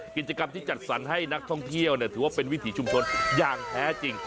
กิจกรรมที่จัดสรรให้นักท่องเที่ยวถือว่าเป็นวิถีชุมชนอย่างแท้จริง